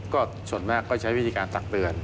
ก็ส่วนมากก็ใช้วิธีการตักเตือน